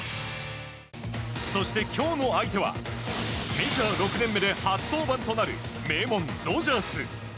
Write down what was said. そして今日の相手はメジャー６年目で初登板となる名門ドジャース。